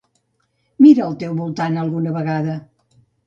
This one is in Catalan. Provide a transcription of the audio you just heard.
Mira al teu voltant alguna vegada.